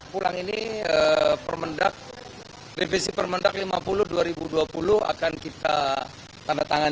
pulang ini revisi permendak lima puluh dua ribu dua puluh akan kita tanda tangan